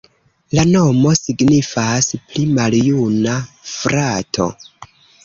La nomo signifas: pli maljuna frato.